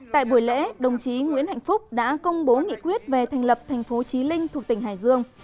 tại buổi lễ đồng chí nguyễn hạnh phúc đã công bố nghị quyết về thành lập thành phố trí linh thuộc tỉnh hải dương